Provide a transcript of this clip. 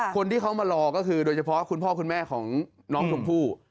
คนที่เขามารอก็คือโดยเฉพาะคุณพ่อคุณแม่ของน้องชมพู่